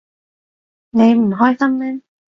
你唔開心咩？